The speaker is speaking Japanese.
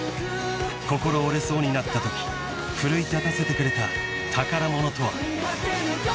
［心折れそうになったとき奮い立たせてくれた宝物とは？］